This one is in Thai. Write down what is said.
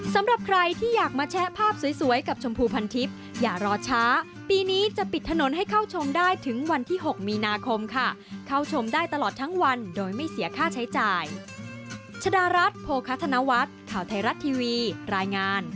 สำหรับใครที่อยากมาแชะภาพสวยกับชมพูพันทิพย์อย่ารอช้าปีนี้จะปิดถนนให้เข้าชมได้ถึงวันที่๖มีนาคมค่ะเข้าชมได้ตลอดทั้งวันโดยไม่เสียค่าใช้จ่าย